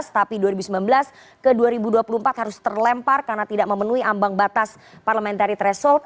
tapi dua ribu sembilan belas ke dua ribu dua puluh empat harus terlempar karena tidak memenuhi ambang batas parliamentary threshold